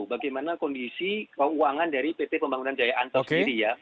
bagaimana kondisi keuangan dari pt pembangunan jaya ancol sendiri ya